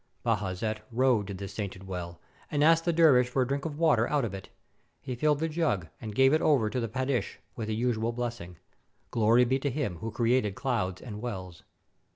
Bajazet rode to this Sainted Well, and asked the der vish for a drink of water out of it. He filled the jug, and gave it over to the padishah with the usual blessing, " Glory be to Him who created clouds and wells!